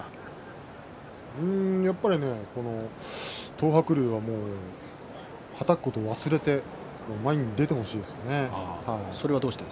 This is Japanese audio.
東白龍ははたくことを忘れて前に出てほしいですね。